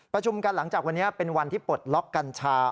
ประชุมกันหลังจากวันนี้เป็นวันที่ปลดล็อกกัญชา